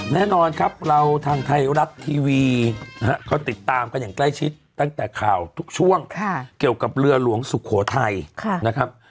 แน่นอนครับเราทางไทยรัฐทีวีนะฮะเขาติดตามกันอย่างใกล้ชิดตั้งแต่ข่าวทุกช่วงเกี่ยวกับเรือหลวงสุโขทัยนะครับ